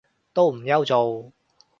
都唔憂做